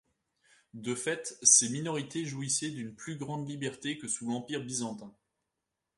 De fait, ces minorités jouissaient d’une plus grande liberté que sous l’Empire byzantin.